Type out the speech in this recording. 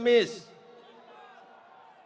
yang terus kita kobarkan adalah rakyatnya